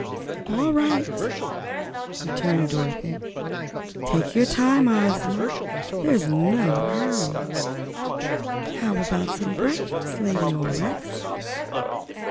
"All right," returned Dorothy; "take your time, Ozma; there's no hurry. How about some breakfast, Lady Aurex?"